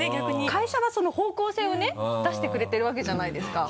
会社がその方向性をね出してくれてるわけじゃないですか。